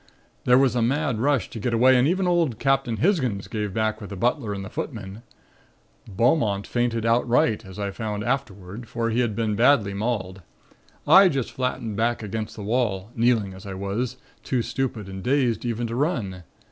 There was a mad rush to get away and even old Captain Hisgins gave back with the butler and the footmen. Beaumont fainted outright, as I found afterward, for he had been badly mauled. I just flattened back against the wall, kneeling as I was, too stupid and dazed even to run.